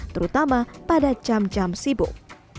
terutama pada jam jam sibuk